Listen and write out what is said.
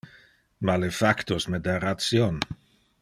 Ma le factos me da ration.